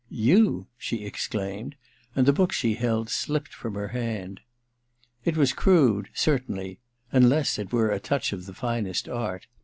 * You ?' she exclaimed ; and the book she held slipped from her hand. It was crude, certainly ; unless it were a touch of the finest art.